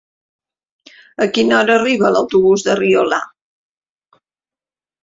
A quina hora arriba l'autobús de Riola?